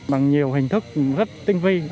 bằng nhiều hình thức rất tinh vi